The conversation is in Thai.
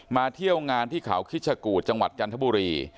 เที่ยวงานที่เขาคิชกูธจังหวัดจันทบุรี